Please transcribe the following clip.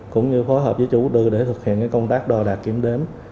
cũng như phối hợp với chủ đưa để thực hiện công tác đo đạt kiểm đếm